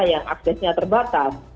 yang aksesnya terbatas